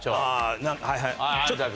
はいはい。